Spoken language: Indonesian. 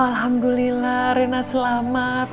alhamdulillah rina selamat